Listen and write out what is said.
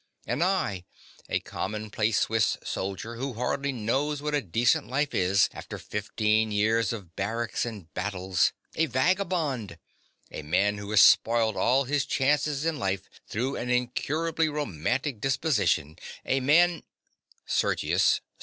And I, a common place Swiss soldier who hardly knows what a decent life is after fifteen years of barracks and battles—a vagabond—a man who has spoiled all his chances in life through an incurably romantic disposition—a man— SERGIUS.